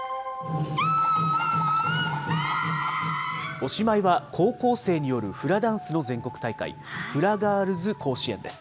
おしまいは、高校生によるフラダンスの全国大会、フラガールズ甲子園です。